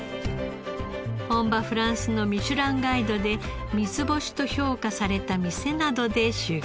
本場フランスの『ミシュランガイド』で三つ星と評価された店などで修業。